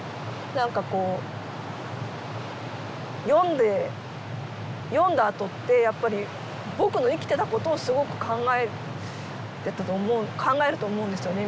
何かこう読んで読んだあとってやっぱり「ぼく」の生きてたことをすごく考えると思うんですよね